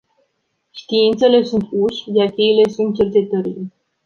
Științele sunt uși, iar cheile sunt cercetările.